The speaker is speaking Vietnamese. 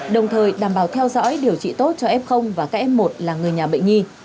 đồng thời đảm bảo theo dõi điều trị tốt cho f và các f một là người nhà bệnh nhi